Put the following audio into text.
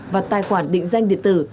và tài khoản định danh điện tử